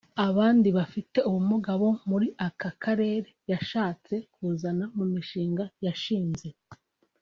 Abandi bafite ubumuga bo muri aka karere yashatse kuzana mu mushinga yashinze